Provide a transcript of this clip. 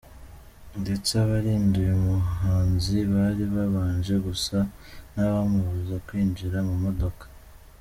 Ndetse abarinda uyu muhanzi bari babanje gusa n’abamubuza kwinjira mu modoka.